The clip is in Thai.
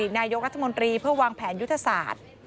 นายกรัฐมนตรีเพื่อวางแผนยุทธศาสตร์